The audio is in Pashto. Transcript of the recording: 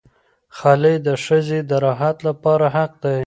خلع د ښځې د راحت لپاره حق دی.